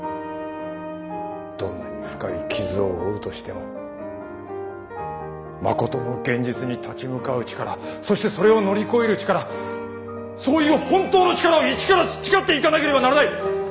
どんなに深い傷を負うとしてもまことの現実に立ち向かう力そしてそれを乗り越える力そういう本当の力を一から培っていかなければならない。